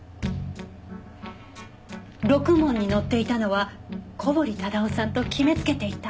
ろくもんに乗っていたのは小堀忠夫さんと決めつけていた。